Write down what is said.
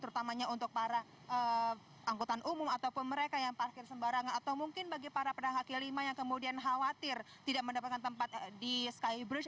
terutamanya untuk para angkutan umum ataupun mereka yang parkir sembarangan atau mungkin bagi para pedagang kaki lima yang kemudian khawatir tidak mendapatkan tempat di skybridge